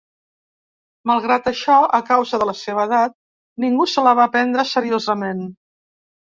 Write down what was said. Malgrat això, a causa de la seva edat, ningú se la va prendre seriosament.